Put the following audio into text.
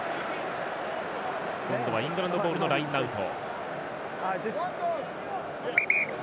今度はイングランドボールのラインアウト。